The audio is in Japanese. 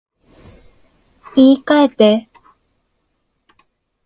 言い換えて